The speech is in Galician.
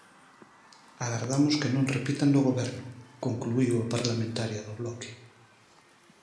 "Agardamos que non repitan no Goberno", concluíu a parlamentaria do Bloque.